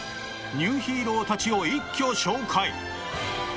ニューヒーローたちを一挙紹介。